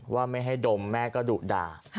ว่าไม่ให้ดมแม่ก็ดุด่า